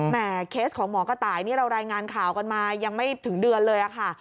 เคสของหมอกระต่ายนี่เรารายงานข่าวกันมายังไม่ถึงเดือนเลยค่ะ